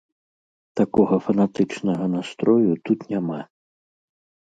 Такога фанатычнага настрою тут няма.